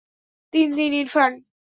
তিন দিন ইরফান!